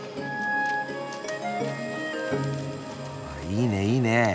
あっいいねいいね。